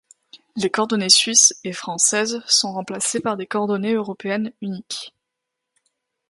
Les coordonnées suisses et françaises sont remplacées par des coordonnées européennes uniques.